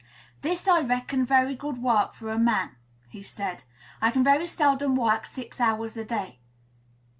'This I reckon very good work for a man,' he said. 'I can very seldom work six hours a day.'